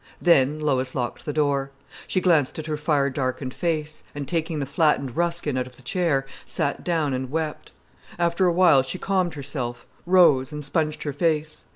Then Lois locked the door. She glanced at her fire darkened face, and taking the flattened Ruskin out of the chair, sat down and wept. After a while she calmed herself, rose, and sponged her face.